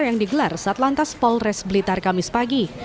yang digelar saat lantas polres blitar kamis pagi